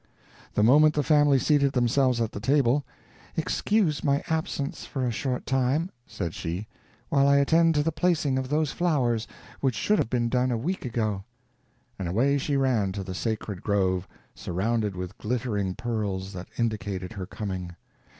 The moment the family seated themselves at the table "Excuse my absence for a short time," said she, "while I attend to the placing of those flowers, which should have been done a week ago." And away she ran to the sacred grove, surrounded with glittering pearls, that indicated her coming.